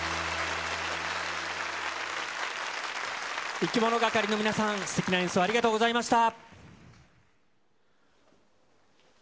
いきものがかりの皆さん、すてきな演奏、ありがとうございました。